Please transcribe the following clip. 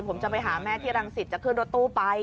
ผมจะไปหาแม่ที่รังสิตจะขึ้นรถตู้ไป